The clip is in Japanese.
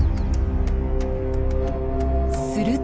すると。